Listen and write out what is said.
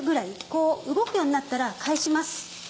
こう動くようになったら返します。